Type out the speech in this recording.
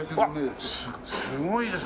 すごいですね。